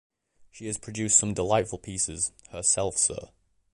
She has produced some delightful pieces, herself, sir.